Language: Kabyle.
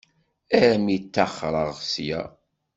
Armi ṭṭaxreɣ ssya.